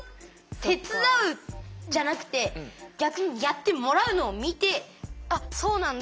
手伝うじゃなくて逆にやってもらうのを見てあっそうなんだ。